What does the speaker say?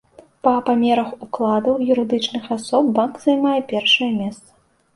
Па памерах укладаў юрыдычных асоб банк займае першае месца.